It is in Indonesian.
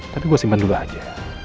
tapi gue simpan dulu aja